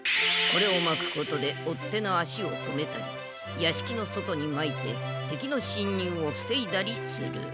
これをまくことで追っ手の足を止めたりやしきの外にまいて敵の侵入をふせいだりする。